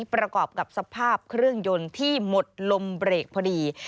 ประกอบกับสภาพเครื่องยนต์ที่หมดลมเบรกพอดี